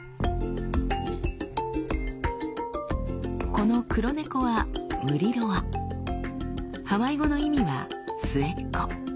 この黒猫はハワイ語の意味は「末っ子」。